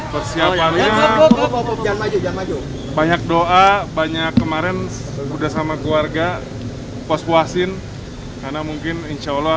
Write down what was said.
persiapannya banyak doa banyak kemarin udah sama keluarga puas puasin karena mungkin insyaallah